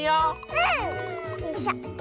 うん！よいしょ。